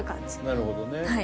なるほどね。